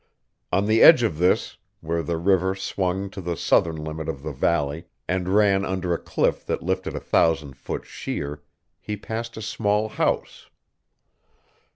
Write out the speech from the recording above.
On the edge of this, where the river swung to the southern limit of the valley and ran under a cliff that lifted a thousand foot sheer, he passed a small house.